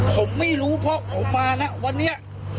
ผมไม่รู้เพราะผมมานะวันนี้